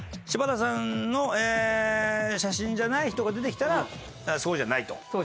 柴田さんの写真じゃない人が出てきたらそうじゃないと。